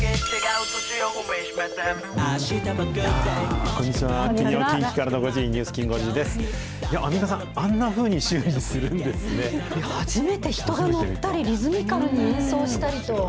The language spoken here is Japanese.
アンミカさん、初めて人が乗ったり、リズミカルに演奏したりと。